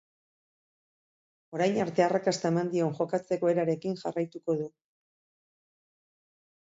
Orain arte arrakasta eman dion jokatzeko erarekin jarraituko du.